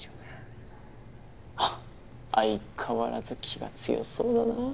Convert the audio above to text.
ハッ相変わらず気が強そうだなあ。